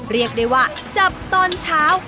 เรียกได้ว่าจับตอนเช้า